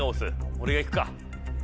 俺がいくか。